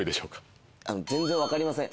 全然分かりません。